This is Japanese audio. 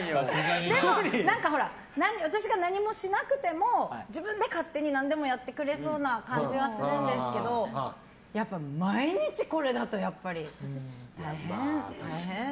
でも、私が何もしなくても自分で勝手に何でもやってくれそうな感じはするんですけどやっぱり毎日これだと大変。